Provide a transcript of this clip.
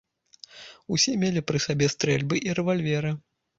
Усе мелі пры сабе стрэльбы і рэвальверы.